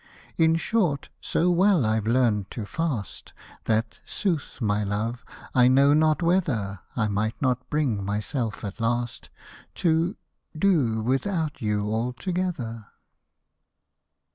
In short, so well I've learned to fast, That, sooth my love, I know not whether I might not bring myself at last, To — do without you altogether.